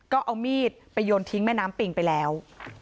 เขาก็อ่าวมีดไปยนต์ทิ้งแม่น้ำปิ่งไปแล้ว